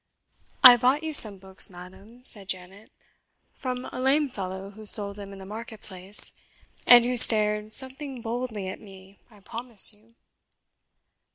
"I bought you some books, madam," said Janet, "from a lame fellow who sold them in the Market place and who stared something boldly, at me, I promise you."